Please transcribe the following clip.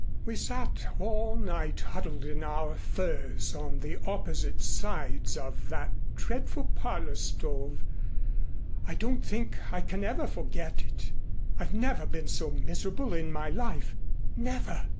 "We sat all night huddled in our furs on opposite sides of that dreadful parlor stove. I don't think I can ever forget it. I've never been so miserable in my life never!